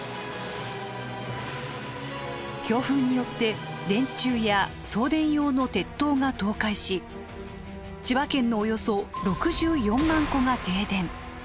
強風によって電柱や送電用の鉄塔が倒壊し千葉県のおよそ６４万戸が停電。